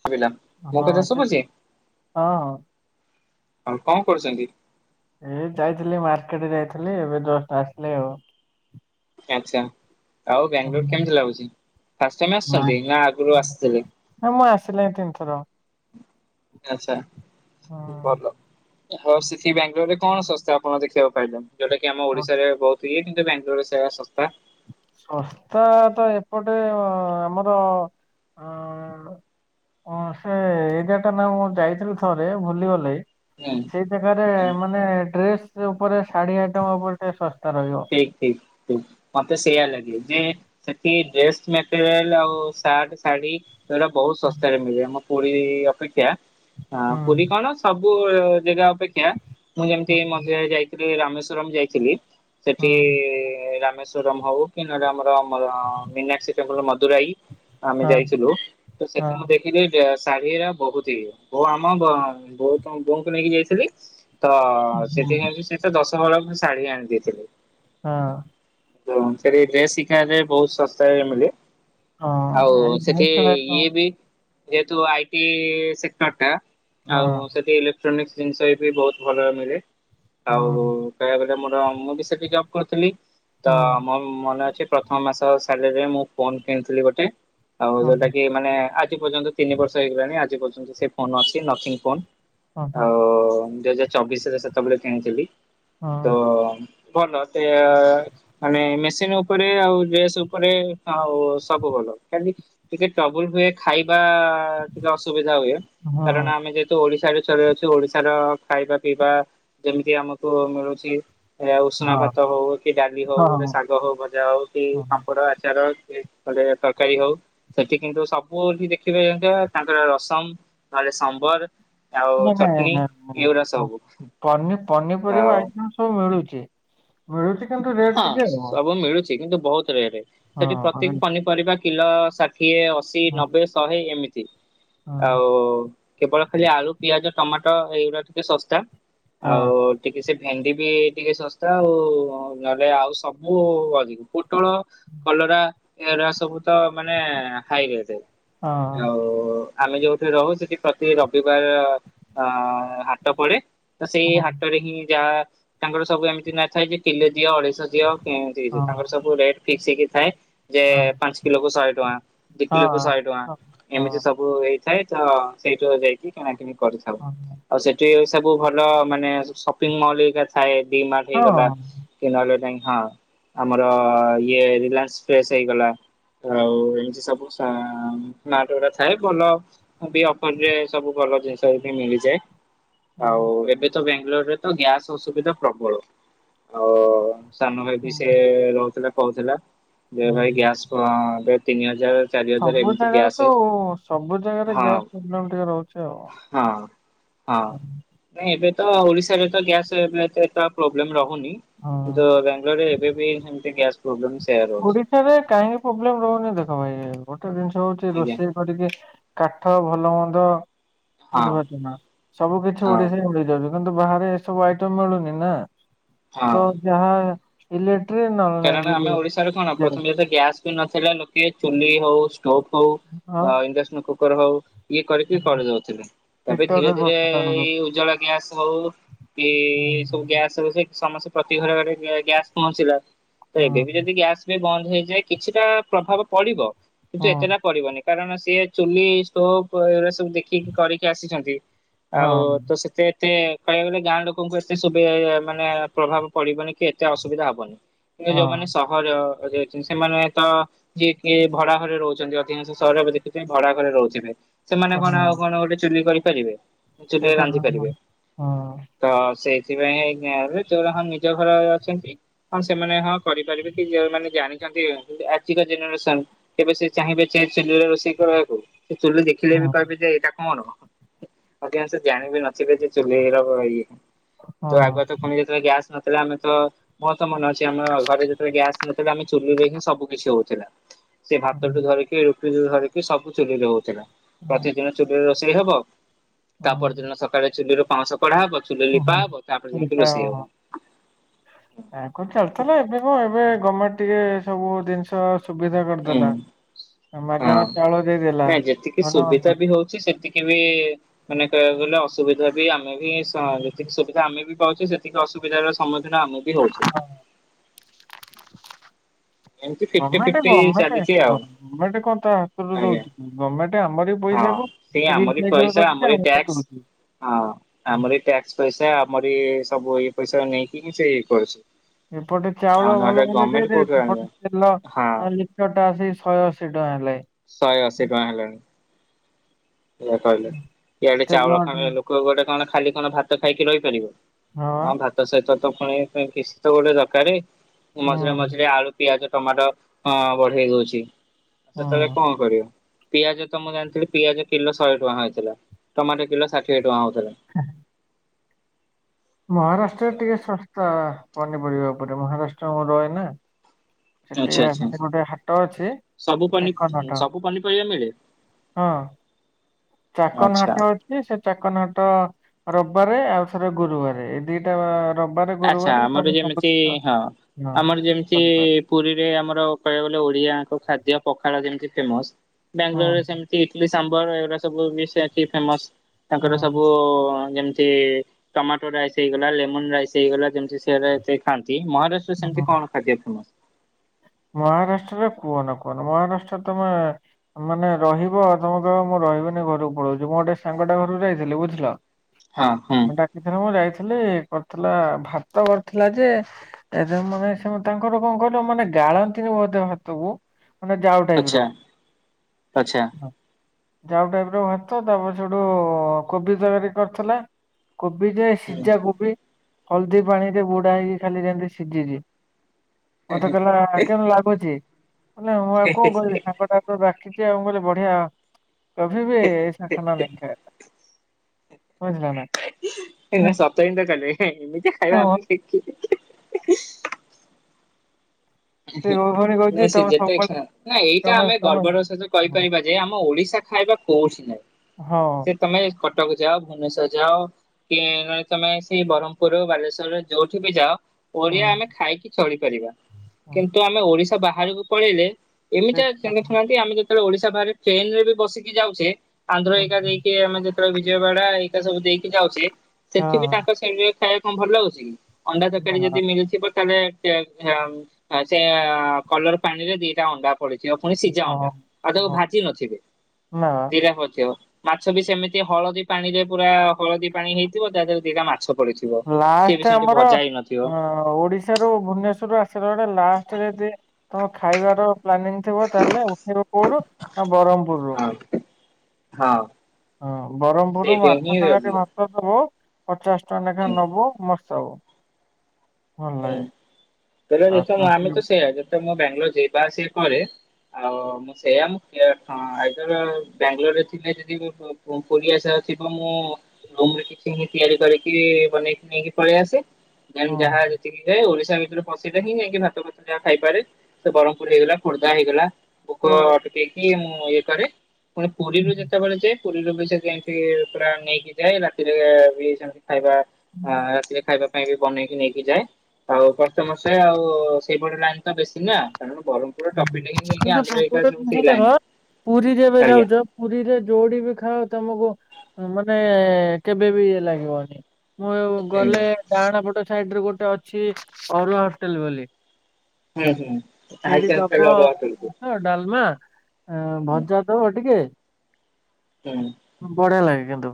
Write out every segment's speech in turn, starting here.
ଶୁଭିଲା, ମୋ କଥା ହଁ ସେ ଶୁଭୁଚି? ହଁ ଆଉ କଣ କରୁଚନ୍ତି? ଏ ଯାଇଥିଲି ମାର୍କେଟ ଯାଇଥିଲି, ଏବେ ଜଷ୍ଟ ଆସିଲି ଆଉ। ଆଛା ଆଉ ହୁଁ, ବାଙ୍ଗାଲୋର କେମିତି ଲାଗୁଛି? ଫାଷ୍ଟ ଟାଇମ୍ ଆସିଛନ୍ତି ନା ଆଗରୁ ଆସିଥିଲେ? ହଁ- ମୁଁ ଆସିଲେଇଁ ତିନିଥର। ଆଛା ହୁଁ। ଭଲ ହଉ, ସେଠି ବାଙ୍ଗାଲୋରରେ କଣ ଶସ୍ତା ଆପଣ ଦେଖିବାକୁ ପାଇଲେ? ଯୋଉଟା କି ଆମ ଓଡିଶାରେ ବହୁତ ଇଏ, କିନ୍ତୁ ବାଙ୍ଗାଲୋରରେ ସେଇରା ଶସ୍ତା। ଶସ୍ତା ତ ଏପଟେ ଆମର ଅ ସେ ଏରିଆ ଟା ନାଁ, ମୁଁ ଯାଇଥିଲି ଥରେ ଭୁଲିଗଲେଇ ହୁଁ ସେଇ ଜାଗାରେ, ହୁଁ। ମାନେ ଡ୍ରେସ ଉପରେ ଶାଢୀ ଆଇଟମ ଉପରେ ଟିକେ ଶସ୍ତା ରହିବ। ଠିକ୍ ଠିକ୍ ଠିକ୍। ମତେ ସେଇୟା ଲାଗେ, ଯେ ସେଠି ଡ୍ରେସ୍ ମେଟେରିଆଲ ଆଉ ସାର୍ଟ, ଶାଢୀ ସେଇଟା ବହୁତ ଶସ୍ତାରେ ମିଳେ। ଆମ ପୁରୀ ଅପେକ୍ଷା, ଆଁ ପୁରୀ ହୁଁ କଣ ସବୁ ଜାଗା ଅପେକ୍ଷା, ମୁଁ ହଁ ଯେମିତି ମନ୍ଦିର ଯାଇଥିଲି ରାମେଶ୍ଵରମ୍ ଯାଇଥିଲି। ସେଠି ହଁ ରାମେଶ ଶ୍ୱରମ୍ ହଉ କି, ନ ହେଲେ ଆମର ଆମର ମିନାକ୍ସି ଟେମ୍ପୁଲ ମଦୁରାଇ ଆମେ ହଁ ଯାଇଥିଲୁ ତ ହଁ। ସେଠି ମୁଁ ଦେଖ ଖିଲି ଶାଢୀ ଇରା ବହୁତ ଇଏ, ବୋଉ ଆମ ବୋ ବୋଉ ବୋଉଙ୍କୁ ନେଇକି ଯାଇଥିଲି। ତ ହୁଁ ସେଥିପାଇଁ ବି ସେ ତ ଦଶ ହଳ ଖଣ୍ଡେ ଶାଢୀ ଆଣି ଦେଇଥିଲେ। ହଁ। ତ ସେ ଡ୍ରେସ ଶିଖାରେ ବହୁତ ଶସ୍ତାରେ ମିଳେ। ଆଉ ହଁ ଏଇ ସେଠି ଜିନିଷ ଯାକ। ଇଏ ବି ଯେହେତୁ ଆଇଟି ସେକ୍ଟର ଟା ହଁ ଆଉ ସେଠି ଇଲେକ ଟନିସ୍କ ଜିନିଷ ଏବେ ବହୁତ ଭଲ ମିଳେ ହଁ ଆଉ କହିବାକୁ ଗଲେ ମୋର ମୁଁ ବି ସେ ଜବ କରିଥିଲି ତ ହଁ। ମଲ ମନେ ଅଛି ପ୍ରଥମ ମାସ ସାଲେରୀ ରେ ମୁଁ ଫୋନ କିଣିଥିଲି ଗୋଟେ ଆଉ ହଁ ଯୋଉଟା କି ମାନେ ପର୍ଯ୍ୟନ୍ତ ତିନି ବର୍ଷ ହେଇଗଲାଣି ଆଜି ପର୍ଯ୍ୟନ୍ତ ସେ ଫୋନ ଅଛି ନଥିଙ୍ଗ ଫୋନ ହଁ ହଁ ଆଉ ଦୁଇ ହଜାର ଚବିଶ ରେ ସେତେବେଳେ କିଣିଥିଲି ତ ଭଲ ସେ ମାନେ ମେସିନ ଉପରେ ଆଉ ଡ୍ରେସ୍ ଉପରେ ଆଉ ସବୁ ଭଲ। ଟିକେ ଟ୍ରବୁଲ ହୁଏ ଖାଇବା ଟିକେ ଅସୁବିଧା ହୁଏ ହଁ କାରଣ ଆମେ ଯହେ ତ ଓଡିଶାରେ ଚଳ ଅଛୁ ଓଡିଶାର ଖାଇବା ପିଇବା ଯେମିତି ଆମକୁ ମିଳୁଛି। ଆଉ ଉଷୁନା ହଁ ଭାତ ହଉ କି ଡାଲି ହଉ ହଁ ଗୋଟେ ହଁ ଶାଗ ହଉ ଭଜା ହଉ କି ହଁ ପାମ୍ପଡ଼, ଆଚାର। ଗୋଟେ ତରକାରୀ ହଉ ସେଠି କିନ୍ତୁ ସବୁଠି ଦେଖିବେ ତାଙ୍କର ରସମ ନହେଲେ ସମ୍ବର। ଆଉ ନାଇଁ ଚଟଣି ନାଇଁ ଏଇଗୁଡା ସବୁ ନ ଆଉ ପନିପରିବା ଆଇଟମ ସବୁ ମିଳୁଛି। ମିଳୁଛି କିନ୍ତୁ ରେଟ ଟିକେ ହଁ ସବୁ ମିଳୁଛି କିନ୍ତୁ ବହୁତ ରେଟ ସେଠି ପ୍ରତିକ ଅରେ, ପନିପରିବା କିଲୋ ଷାଠିଏ, ଅସି, ହଁ ନବେ ଶହେ ଏମିତି ହଁ ଆଉ କେବଳ ଖାଲି ଆଳୁ, ପିଆଜ, ଟମାଟୋ ଏଇଗୁରା ଟିକେ ଶସ୍ତା ହଁ ଆଉ ଟିକେ ସେ ଭେଣ୍ଡି ବି ଟିକେ ଶସ୍ତା ଆଉ ନହେଲେ ଆଉ ସବୁ ଅଧିକ ପୋଟଳ, କଲରା ଏରା ସବୁ ତ ମାନେ ହାଇ ରେଟ। ଆଉ ଆମେ ଯୋଉଠି ରହୁ ସେଠି ପ୍ରତି ରବିବାର ଅ ହାଟ ପଡେ। ତ ସେଇ ହଁ ହଁ ହାଟରେ ହିଁ ଯାହା ତାଙ୍କର ସବୁ ଏମିତି ନଥାଏ କି କିଲେ ଦିଅ ଅଢେଇଶ ଦିଅ। ଏମିତି ହଁ ତାଙ୍କର ସବୁ ରେଟ ଫିକ୍ସ ହେଇକି ଥାଏ। ଯେ ହଁ ପାଞ୍ଚ କିଲୋକୁ ଶହେ ଟଙ୍କା ଦି କିଲୋକୁ ହଁ ଶହେ ଟଙ୍କା ଏମିତି ସବୁ ସୁ ହେଇଥାଏ ତ ସେଇଠୁ ଯାଇକି କିଣାକିଣି କରିଥାଉ ଆଉ ସେଠ ଠି ସବୁ ଭଲ ମାନେ ସପିଙ୍ଗ ମଲ ଥାଏ ଭି ମାଟ ହଁ ହେଇଗଲା। ନହେଲେ ନାଇ ହଁ ଆମର ଇଏ ରିଲାଏନ୍ସ ଫ୍ରସେ ହେଇଗଲା। ଆଉ ଏମିତି ସବୁ ସା ନାଟ ଗଡା ଥାଏ ଭଲ ବି ଅଫର ରେ ସବୁ ଭଲ ଜିନିଷ ବି ମିଳିଯାଏ। ହଁ ଆଉ ଏବେ ତ ବାେଙ୍ଗାଲୋର ରେ ତ ଗ୍ୟାସ ଅସୁବିଧା ପ୍ରବଳ। ଆଉ ସାନ ଭାଇ ବି ସେ ରହୁଥିଲା କହୁଥିଲା ଯେ ହଁ ଭାଇ ଗ୍ୟାସ ଏବେ ତିନି ହଜାର ଚାରି ହଜାର ସବୁ ଏମିତି ଜାଗାରେ ଗ୍ୟାସ ତ ସବୁ ଜାଗାରେ ହଁ ଗ୍ୟାସ ପ୍ରୋବ୍ଲେମ ଟିକେ ରହୁଛି ଆଉ ହଁ ହଁ ନାଇଁ ଏବେ ତ ଓଡିଶାରେ ତ ଗ୍ୟାସ ଏବେ ଏ ତ ପ୍ରୋବ୍ଲେମ ରହୁନି। ହଁ କିନ୍ତୁ ବାେଙ୍ଗାଲୋରରେ ଏବେ ବି ସେମିତି ଗ୍ୟାସ୍ ପ୍ରୋବଲେମ୍ ସେୟା ରହୁଛି ଓଡିଶାାରେରେ କାହିଁକି ପ୍ରୋବ୍ଲେମ ରହୁନି ଦେଖ ଭାଇ ଗୋଟେ ଜିନିଷ ହଉଛି ଆଜ୍ଞା ରୋଷେଇ କରିକି କାଠ ଭଲ ମନ୍ଦ ହଁ ବୁଝିପାରୁଛ ନା ସବୁ କିଛି ହଁ ଓଡିଶା ରେ ମାଲିଯାଉଛି। ନ୍ତୁ ବାହାରେ ଏସବୁ ଆଇଟମ ମିଳୁନି ନା ହଁ। ତ ଯାହା ଇଲେ ଟ୍ରେନ୍ କାରଣ ଆମେ ଅନଲାଇନ ଓଡିଶାରେ କଣ ପ୍ରଥମେ ତ ଗ୍ୟାସ ବି ନଥିଲା ଲୋକେ ଚୁଲି ହଉ ଷ୍ଟୋଭ ଆଉ ହଉ ଇନଡ଼କ୍ସନ କୁକ ର ହଉ ଇଏ କରିକି କରିଦଉଥିଲେ ଏବେ ହିଟରରେ ଧୀରେ ଧୀରେ ବସଲା ବେଳକୁ ଏଇ ଉଜାଳା ଗ୍ୟାସ୍ ହଉ ଏ ଏ ସବୁ ହୁଁ ଗ୍ୟାସ ହ ସେ ସମସ୍ତେ ପ୍ରତି ଘରେ ଘରେ ଗ୍ୟାସ ପହଞ୍ଚିଲା। ତ ହୁଁ ଏବେ ବି ଯଦି ଗ୍ୟାସ୍ ବି ବନ୍ଦ ହେଇଯାଏ କିଛିଟା ପ୍ରଭାବ ପଡିବ କିନ୍ତୁ ଏତେଟା ପଡିବନି। କାରଣ ସିଏ ଚୁଲି ଷ୍ଟୋପ ଏଗୁଡା ସବୁ ଦେଖିକି କରିକି ଆସିଛନ୍ତି। ଆଉ ହଁ ତ ସେତେ ଏତେ କହିବାକୁ ଗଲେ ଗାଁ ଲୋକଙ୍କୁ ଏତେ ସୁବି ମାନେ ପ୍ରଭାବ ପଡିବନି କି ଏତେ ଅସୁବିଧା ହବନି। ଯୋଉମାନେ ହଁ ସହରରେ ଅଛନ୍ତି ସେମାନେ ତ କିିଏ କିଏ ଭଡା ଘରେ ରହୁଚନ୍ତି, ଅଧିକଂଶ ସହରରେ ଦେଖିଥିବେ ଭଡା ଘରେ ରହୁଥିବେ। ସେମାନେ କଣ ହଁ ଆଉ କଣ ଗୋଟେ ଚୁଲି କରିପାରିବେ? ଚୁଲିରେ ସେଇଟା ହଁ ରାନ୍ଧି ହଁ ପାରିବେ। ତ ସେଇଥି ପାଇଁ ଗାଁରେ ତୋର ହଁ ନିଜ ଘର ଅଛନ୍ତି ହଁ ସେମାନେ ହଁ କରିପାରିବେ କି ଯଉମାନେ ଜାଣିଛନ୍ତି ହଁ ଆଜିର ଜେନେରେସନ କେବେ ସେ ଚାହିଁବେ ଚାଁ ଚୁଲରେ ରୋଷେଇ କରିବାକୁ, ସେ ଚୁଲ ଦେଖିଲେ ବି ହଁ କହିବେ ଯେ ଏଇଟା କଣ, ଅଧିକାଂଶ ଜାଣିବି ନଥିଲେ ଯେ ଚୁଲେଇ ର ଇଏ ତ ଆଗୁଆ ତ ହଁ ଆମେ ଯେତେବେଳେ ଗ୍ୟାସ୍ ନଥିଲେ ଆମେ ତ ମୋର ତ ମନ ଅ ଚି ଆମର ଘରେ ଯେତେବେଳେ ଗ୍ୟାସ ନଥିଲେ ଆମେ ଚୁଲି ରେ ହିଁ ସବୁ କିଛି ହଉଥିଲା ସେ ଭାତଠୁ ଧରିକି ରୁଟି ଧରିକି ସବୁ ଚୁଲିରେ ହଉଥିଲା। ପ୍ରତିଦିନ ଚୁଲିରେ ରୋଷେଇ ହବ ତା ହଁ ପରଦିନ ସକାଳେ ଚୁଲି ରୁ ପାଉଁସ କଢା ହବ, ଚୁଲି ହଁ ଲିପା ହବ ତାପରେ ଯାଇକି ରୋଷେଇ ହଁ ହବ। ଆଗରୁ ଚାଲିଥିଲା ଏବେ କ ଏବେ ଗଭର୍ଣମେଣ୍ଟ ଟିକେ ସବୁ ଜିନିଷ ସୁବିଧା ହୁଁ କରିଦେଲା। ହଁ ମାଗଣା ଚାଉଳ ଦେଇଦେଲା ନାଇ ଯେତିକି ଭଲ ମନ୍ଦ ହଁ ସୁବିଧା ବି ହଉଚି ସେତିକି ବି ମାନେ କହିବାକୁ ଗଲେ ଅସୁବିଧା ବି ଆମେ ବି ଯେତିକି ସୁବିଧା ଆମେ ବି ପାଉଛେ ସେ ସେତିକି ଅସୁବିଧାର ସମ୍ମୁଖୀନ ଆମ ବି ହଉଚି। ଏମିତି ଫିଫ୍ଟି ଗର୍ଣ୍ଣମେଣ୍ଟ ଫିଫ୍ଟି ଗଣ୍ଣମେଣ୍ଟ ଚାଲିଛି ଶୁଣ ଆଉ ଗର୍ଣ୍ଣମେଣ୍ଟ କଣ ତା ହାତରୁ ଆଜ୍ଞା। ଦଉଚି କି ଗମେଣ୍ଟ ଆମର ଏଇ ହଁ ପଇସାକୁ ସେ ଆମରି ରିସାଇକେଲ ପଇସା କରିକି ଆମରି ଆମକୁ ଦଉଛି। ଟ୍ୟାକ୍ସ ହଁ ଆମରି ଟ୍ୟାକ୍ସ ସ୍ ପଇସା ଆମରି ସବୁ ଇଏ ପଇସା ନେଇକି ସେ ଇଏ କରୁଚି। ଏପଟେ ଚାଉଳ ଭଲ ମନ୍ଦ ଦେଇଦଉଚି କୋଉଠୁ ଆଣିବ ସେପଟେ ତେଲ ହଁ ଲିଟର ଟା ଆସି ଶହେ ଅଶୀ ଟଙ୍କା ହେଲାନି। ଶହେ ଅଶୀ ଟଙ୍କା ହେଲାଣି। ଏଇ କହିଲେ। ଇଏ ଗଟେ ତେଲ ଚାଉଳ ଖାଣ ଲୋକ ଗୋଟେ କଣ ଖାଲି କଣ ଭାତ ଖାଇକି ରହିପାରିବେ? ହଁ ଭାତ ସହିତ ତ ପୁଣି କିଷ ତ ଗୋଟେ ଦରକାରେ, ହୁଁ ମଝିରେ ମଝିରେ ଆଳୁ ପିଆଜ ଟମାଟୋ ବଢେଇ ଦଉଚି ଆ ସେତେବେଳେ ହୁଁ କଣ କରିବ। ପିଆଜ ତ ମୁଁ ଜାଣିଥିଲି ପିଆଜ କିଲୋ ଶହେ ଟଙ୍କା ହେଇଥିଲା ଟମାଟୋ କିଲୋ ଷାଠିଏ ଟଙ୍କା ହଉଥିଲା। ହଁ। ମହାରାଷ୍ଟ୍ରରେ ଟିକେ ଶସ୍ତା ପନିପରିବା ଉପରେ ମହାରାଷ୍ଟ୍ର ମୁ ରହେ ନା। ସେଠି ଆଚ୍ଛା ଆଚ୍ଛା। ସେଠି ଗୋଟେ ହାଟ ଅଛି ସବୁ ପନି ଚେକର ହାଟ। ସବୁ ପନିପରିବା ମିଳେ। ହଁ ଚାକନ ଆଚ୍ଛା। ହାଟ ସେ ଚାକନ ହାଟ ରବିବାରେ ଆଉ ଥରେ ଗୁରୁବାରେ। ଦିଟା ରବିବାରେ ଆଚ୍ଛା ଗୁରୁବାରେ ଆମର ଯେମିତି ହଁ। ଆମର ଯେମିତି [unintelligible] ପୁରୀରେ ଆମର କହିବାକୁ ଗଲେ ଓଡିଆ ଏକ ଖାଦ୍ୟ ପଖାଳ ଯେମିତି ଫେମସ ହଁ ବାଙ୍ଗାଲୋରରେ ସେମ ତୀ ଇଟଲି ସାମ୍ବର ଏଗୁଡା ସବୁ ବି ସେଠି ଫେମସ ତାଙ୍କର ହଁ ସବୁ ଯେମ ତି ଟମାଟୋ ରାଇସ ହେଇଗଲା ଲେମନ ରାଇସ ହେଇଗଲା ଯେମିତି ସେଟା ଏତେ ଖାଆନ୍ତି ମହାରାଷ୍ଟ ରେ ସେମିତି ହଁ କଣ ଖାଦ୍ୟ ଫେମସ? ମହାରାଷ୍ଟ୍ରରେ କୁହନ କୁହନ ମହାରାଷ୍ଟ୍ରରେ ତମେ ମାନେ ରହିବ ଆଉ ତମ କହବ ମୁଁ ରହିବିନି ଘରକୁ ପଳଉଛି ମୁଁ ଗୋଟେ ସାଙ୍ଗ ଟା ଘରକୁ ଯାଇଥିଲି ବୁଝିଲ। ହଁ ହଁ। ଏଥରେ ମୁଁ ଯାଇଥିଲି କରିଥିଲା ଭାତ କରିଥିଲା ଯେ ଏଦ ମାନେ ସେ ତାଙ୍କର କଣ କହିଲ ମାନେ ଗାଳନ୍ତିନି ବୋଧ ଭାତକୁ ମାନେ ଯାଉ ଟାଇପ ଆଚ୍ଛା ର ଆଚ୍ଛା। ଯାଉ ଟାଇପ ର ଭାତ ତାପରେ ସେଇଠୁ କୋବି ତାରକାରି କରିଥିଲେ। କୋବି ଯେ ହୁଁ। ସିଝା କୋବି ହଳଦୀ ପାଣି ରେ ବୁଡା ହେଇକି ଖାଲି ଯେନ୍ତି ସିଝେଇ ଦିଏ। କହିଲା କେମିତି ଲାଗୁଚି ବୋଇଲେ ମୁଁ ଆଉ କଣ କହିବି ସାଙ୍ଗଟା ତ ଡାକିଚି ଆଉ କହିଲେ ବଢିଆ କଭି ବି ଏଇସା ଖାନା ନେଇ ଖାୟା। ବୁଝିଲ ନା। ହେଁ, ସପ୍ତାହ ଦିନ [unintelligible] ଏମିତି ଖାଇବା ହଁ, ଆମ ସେ ପୁଣି ନା କହୁଛି ସେ ତମେ ଯେତେ ସବୁବେଳେ ନା ଏଇଟା ତମେ ଆମେ ତମେ ଗର୍ବର ସହିତ କହିପାରିବା କି? ଯେ ଆମ ଓଡିଶା ଖାଇବା କଉଠି ନାହିଁ। ହଁ। ସେ ତମେ କଟକ ଯାଅ ଭୁବନେଶ୍ଵର ଯାଅ। କି ନହେଲେ ତମେ ସେଇ ବହ୍ମପୁର ବାଲେଶ୍ଵର ଯୋଉଠି ବି ଯାଅ। ହୁଁ। ଓଡିଆ ଆମେ ଖାଇକି ଚଳିପାରିବା। ହୁଁ, କିନ୍ତୁ ଆମେ ଓଡିଶା ବାହାରକୁ ପଳେଇଲେ ସେ- ଏମିତଆ ହଁ ଦେଖୁନାହାନ୍ତି ଆମେ ଯଦି ଓଡିଶା ବାହାରେ ଟ୍ରେନ ରେ ବି ବସିକି ଯାଉଛ ଆନ୍ଧ୍ର ହଁ। ଏକା ଦେଇକି ଆମେ ବିଜୟୱାଡା ଏଇାକା ସବୁ ଦେଇକି ଯାଉଛେ ସେଠିବି ତାଙ୍କ ସେଇ ଖାଇବା କଣ ଭଲ ଲାଗୁଛି। ଅଣ୍ଡା ନା ତରକାରୀ ଯଦି ମିଳୁଥିବ ତାହେଲେ ସେଇଆକୁ ଝାଡା ହବୁ। ସେ କଲର ପାଣିରେ ଦିଟା ଅଣ୍ଡା ପଡ଼ିଥିବ ପୁଣି ସିଝା ହଁ, ଅଣ୍ଡା ଆଉ ତାକୁ ହଁ, ଭାଜି ନଥିବେ ନା ଦିଟା ପଡ଼ିଥିବ। ମାଛ ବି ସେମିତି ହଳଦୀ ପାଣି ରେ ପୁରା ହଳଦୀ ପାଣି ହେଇଥିବ ତା ଦେହରେ ଦିଟା ମାଛ ପଡିଥିବ। ସିଏ ବି ଲାଷ୍ଟ ସେମିତି ଆମର ଭଜା ହେଇନଥିବ ଅ ଓଡିଶା ରୁ ଭୁବନେଶ୍ୱର ରୁ ଆସିଲା ବେଳେ ଲାଷ୍ଟରେ ସିଏ। ତମେ ଖାଇବାର ପ୍ଲାନିଂ ଥିବ ତାହେଲେ ଉଠିରପୁଡି ଆଉ ବ୍ରହ୍ମପୁରରୁ। ହଁ ହଁ। ହଁ ବହ୍ମପୁରରୁୁ ସେଇଟା ମାଛ ହିଁ ରହିବ। ତରକାରୀ ଭାତ ଦବ ପଚାଶ ଟଙ୍କା ହୁଁ ଲେଖାଏଁ ନବ ମ ସବୁ। ହୁଁ ହେଲେ ଆଉ ଯେତେ ମୁଁଆମେତ ପ୍ଲାଷ୍ଟିକ- ସେୟା ଯେତେ ମୁଁ ବାଙ୍ଗଲୋର ଯିବା ଆସିବା କରେ। ଆଉ ମୁଁ ସେଇଆ ମୁଁ ହଁ ଆଇଦର୍ ବାଙ୍ଗଲୋରରେ ଥିଲେ ଯଦି ପୁରୀ ଆସିବା ଥିବ ମୁଁ ରୁମରେ କିଛି ହିଁ ତିଆରି କରିକି ବନେଇକି ନେଇକି ପଳେଇ ଆସେ ଜେନ୍ତ ଯାହା ଯାଏ ଓଡିଶା ଭିତରେ ପସେଇିଲେ ହିଁ ଯାଇକି ଭାତ ଫାତ ଯାହା ଖାଇପାରେ ସେ ବ୍ରହ୍ମପୁର ହେଇଗଲା ଖୋର୍ଦ୍ଧା ହେଇଗଲା। ଭୋକ ଅଟକେଇକି ମୁଁ ଇଏ କରେ ପୁଣି ପୁରୀରୁ ଯେତେବେଳେ ଯାଏ। ପୁରୀରୁ ବି ସେ ଏମତି ପୁରା ନେଇକି ଯାଏ ରାତିରେ ବି ସେମିତି ଖାଇବା ହଁ ରାତିରେ ଖାଇବା ପାଇଁ ବି ବନେଇକି ନେଇକି ଯାଏ। ଆଉ କଷ୍ଟେ ମସେ ଆଉ ସେଇଭଳି ଲାଇନ୍ ତ ବେଶୀ ନା କାରଣ ବରହ୍ମ କିନ୍ତୁ ଗୋଟେ ଲାଇନ୍। [inaudible] ପୁରୀରେ ଏବେ ଆଜ୍ଞା ଯାଉଚ ପୁରୀରେ ଯୋଉଡି ବି ଖାଅ ତମକୁ ମାନେ କେବେ ବି ଇଏ ଲାଗିବନି। ମୁଁ ହୁଁ ଗଲେ ଡାହାଣପଟ ସାଇଡରେ ଗୋଟେ ଅଛି ଅରୁଆ ହୋଟେଲ ବୋଲି। ହୁଁ ହୁଁ [inaudible] ହଁ ଡାଲମା ଆଁ ଭଜା ଦବ ଟିକେ। ହୁଁ। ବଢିଆ ଲାଗେ କିନ୍ତୁ।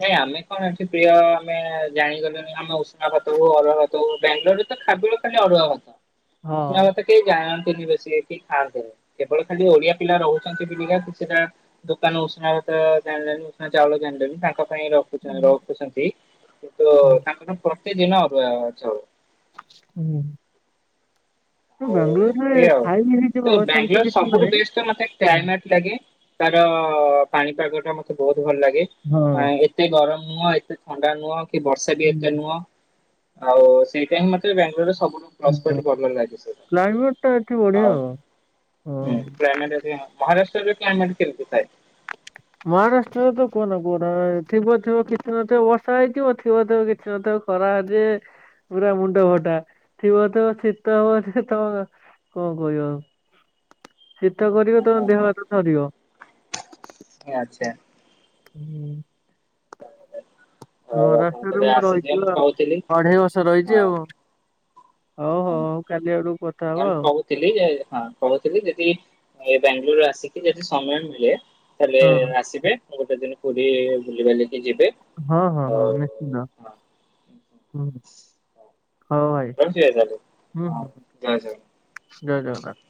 ଭାଇ ଆମେ କଣ ଏଠି ପ୍ରାୟ ଆମେ ଜାଣିଗଲେୁଣି ଆମେ ଉଷୁନା ଭାତ ହ ଅରୁଆ ଭାତ ହଉ ବାଙ୍ଗାଲୋରରେ ତ ଖାବୁଳ ଖାଲି ଅରୁଆ ଭାତ ହଁ। ଉଷୁନା କେ ଯାଆନ୍ତିନି ବେସି କି ଖାଆନ୍ତି କେବଳ ଖାଲି ଓଡିଆ ପିଲା ରହୁଛନ୍ତି ବେଳିକା କି ସେଟା। ଦୋକାନ ଉଷୁନା ଭାତ ଜାଣି ଜାଣି ଉଷୁନା ଚାଉଳ ଜାଣିି ଜାଣି ତାଙ୍କ ପାଇଁ ରଖୁ ରଖୁଛନ୍ତି କିନ୍ତୁ ତାଙ୍କର ପ୍ରତିଦିନ ଅରୁଆ ଚାଉଳ। ହୁଁ। ହଉ ଏମତି ବାଙ୍ଗାଲୋରରେ ଆଉ ଖାଇବି ତ ହେଇଯିବ ସେମିତି ବାଙ୍ଗାଲୋର କିଛି ସବୁଠୁ ନାହିଁ। ବେଷ୍ଟ ମତେ ଟ୍ରେନାଟ ଲାଗେ। ତାର ପାଣିପାଗ ଟା ମତେ ବହୁତ ଭଲ ଲାଗେ ହଁ ଏତେ ଗରମ ମୁହଁ ଏତେ ଥଣ୍ଡା ନୁହଁ କି ବର୍ଷା ବି ଏତେ ହଁ ନୁହଁ ଆଉ ସେଇଟାଇ ମତେ ବାଙ୍ଗାଲୋରରେ ସବୁ। ପ୍ରସ ପଏଣ୍ଟ ଲାଗିଛି କ୍ଲାଇମେଟ ଟା ଏଠି ବଢିଆ ହଉ ଆଉ ହୁଁ ହଁ। କ୍ଳାଇନାଟ। ମହାରାଷ୍ଟ୍ରରେ କ୍ଳାଇନାଟ କେମିତି ଥାଏ। ମହାରାଷ୍ଟ୍ରରେ ତ କୁହନା କୁହନା ଥିବ ଥିବ କିଛି ନଥିବ ବର୍ଷା ହେଇଥିବ ଥିବ ଥିବ କିଛି ନଥିବ ଖରା ଯେ। ପୁରା ମୁଣ୍ଡ ଫଟା ଥିବ ତିବ ଶୀତ ହଉଛି ତମ କଣ କହିବ ଆଉ। ଶୀତ କରିବ ତମ ଦେହ ହାତ ଥରିବ। ଆଛା। ହୁଁ। ଆଉ ହଁ ଆପଣ ରାସ୍ତାରୁରେ କେବେ ମୁଁ ଆସିଯିବେ ରହିଚି କହୁଥିଲି ଅଢେଇ ବର୍ଷ ରହିଛି ହଁ। ଆଉ। ହୋଉ ହୋଉ ହଉ କାଲି ଆଡକୁ କଥା ହବ ଆଉ। ଥିଲ ହଁ କହୁଥିଲି ଯଦି ବାଙ୍ଗାଲୋରୁରୁ ଆସି କି ଯଦି ସମୟ ମିଳେ ତାହେଲେ ଆଉ ଆସିବେ ଗୋଟେ ଦିନ ପୁରୀ ବୁଲିିବାଲିକି ଯିବେ। ହଁ ହଁ ହଁ ଆଉ ନିଶ୍ଚିନ୍ତ ହଁ। ହୁଁ। ହଉ ଭାଇ ରହୁଛି ତାହେଲେ ହଁ ହଁ ଜୟ ଜଗନ୍ନାଥ। ଜୟ ଜଗନାଥ।